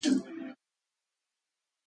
Both of these are greenhouse gases.